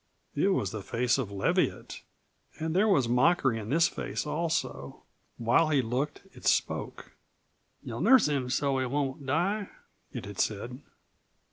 It was the face of Leviatt; and there was mockery in this face also. While he looked it spoke. "You'll nurse him so's he won't die?" it had said.